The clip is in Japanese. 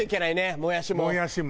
もやしも。